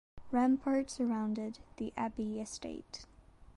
Ramparts surrounded the abbey estate.